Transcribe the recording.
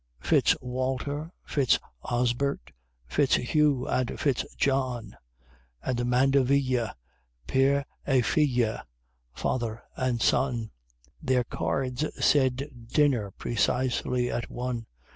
Fitz Walter, Fitz Osbert, Fitz Hugh, and Fitz John, And the Mandevilles, père et filz (father and son); Their cards said 'Dinner precisely at One!'